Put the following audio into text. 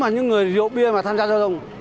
những người rượu bia mà tham gia giao thông